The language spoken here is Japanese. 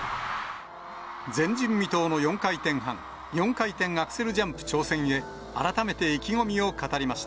前人未到の４回転半・４回転アクセルジャンプ挑戦へ、改めて意気